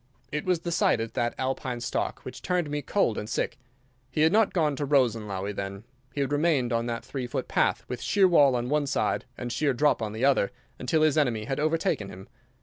It was the sight of that Alpine stock which turned me cold and sick. He had not gone to Rosenlaui, then. He had remained on that three foot path, with sheer wall on one side and sheer drop on the other, until his enemy had overtaken him.